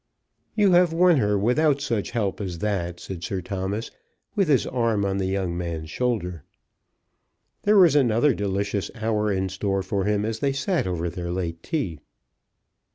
"You have won her without such help as that," said Sir Thomas, with his arm on the young man's shoulder. There was another delicious hour in store for him as they sat over their late tea.